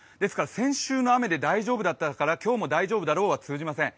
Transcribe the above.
先週の雨で大丈夫だったから今日も大丈夫だろうは通用しません。